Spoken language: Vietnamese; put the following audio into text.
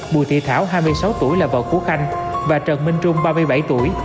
bùi thị thảo hai mươi sáu tuổi là vợ của khanh và trần minh trung ba mươi bảy tuổi